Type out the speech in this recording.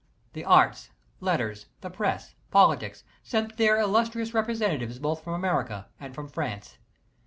The arts, letters, the press, politics, sent there illustrious representatives both from America and from France.